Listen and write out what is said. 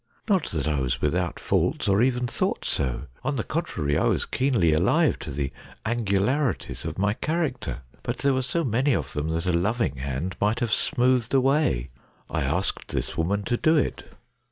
Not that I was without faults, or even thought so. On the contrary, I was keenly alive to the angularities of my character. But there were so many of them that a loving hand might have THE CHINA DOG 125 smoothed away. I asked this woman to do it.